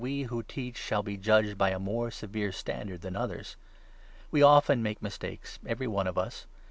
*, who teach shall be judged by a more severe standard than others. We often make mistakes, 2 every one of us.